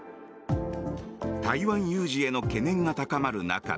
台湾有事への懸念が高まる中